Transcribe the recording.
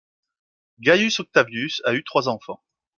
Gaius Octavius a eu trois enfants.